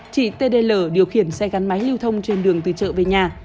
chị t d l điều khiển xe gắn máy lưu thông trên đường từ chợ về nhà